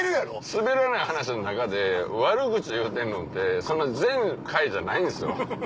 『すべらない話』の中で悪口言うてんのって全回じゃないんですよ。